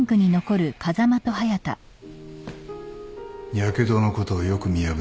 やけどのことをよく見破ったな。